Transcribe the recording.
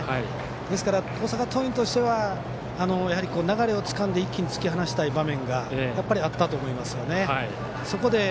ですから、大阪桐蔭としてはやはり、流れをつかんで一気に突き放したい場面があったと思いますよね。